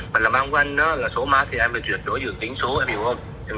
mà làm ăn của anh đó là số mát thì em phải chuẩn đổi dự tính số em hiểu không